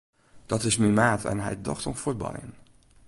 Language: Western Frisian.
Dit is myn maat en hy docht oan fuotbaljen.